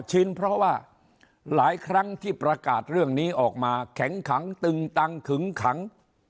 ชินเพราะว่าหลายครั้งที่ประกาศเรื่องนี้ออกมาแข็งขังตึงตังขึงขัง